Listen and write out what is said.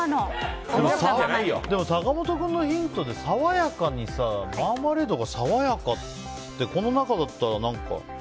でも坂本君のヒントでさわやかにマーマレードがさわやかってこの中だったら何か。